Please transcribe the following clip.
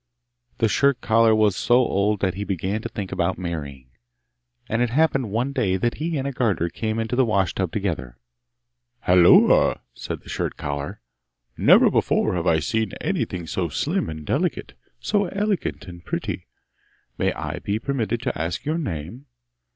The shirt collar was so old that he began to think about marrying; and it happened one day that he and a garter came into the wash tub together. 'Hulloa!' said the shirt collar, 'never before have I seen anything so slim and delicate, so elegant and pretty! May I be permitted to ask your name?